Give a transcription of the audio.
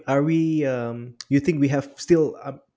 apakah anda pikir kita masih memiliki